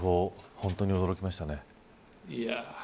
本当に驚きましたね。